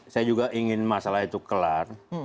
saya juga ingin masalah itu kelar